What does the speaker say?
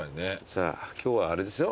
さあ今日はあれでしょ？